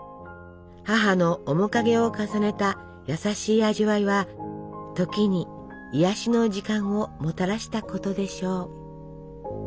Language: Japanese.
母の面影を重ねた優しい味わいは時に癒やしの時間をもたらしたことでしょう。